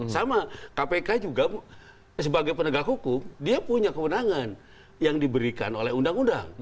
sama kpk juga sebagai penegak hukum dia punya kewenangan yang diberikan oleh undang undang